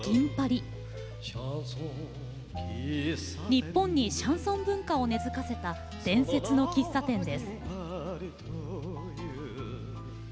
日本にシャンソン文化を根づかせた伝説の喫茶店です。